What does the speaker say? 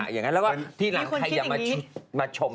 ทีหลังใครอยากมาชมจนแรก